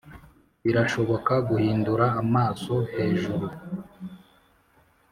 birashoboka guhindura amaso, hejuru